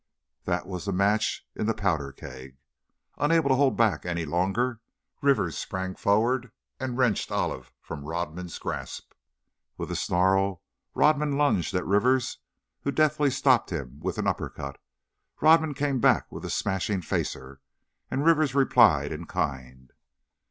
That was the match in the powder keg! Unable to hold back longer, Rivers sprang forward and wrenched Olive from Rodman's grasp. With a snarl, Rodman lunged at Rivers, who deftly stopped him with an uppercut. Rodman came back with a smashing facer, and Rivers replied in kind.